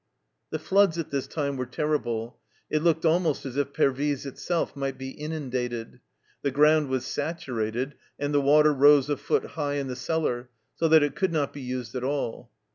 The floods at this time were terrible ; it looked almost as if Pervyse itself might be inundated. The ground was saturated, and the water rose a foot high in the cellar, so that it could not be used at all.